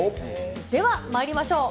ではまいりましょう。